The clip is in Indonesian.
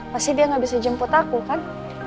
pasti dia nggak bisa jemput aku kan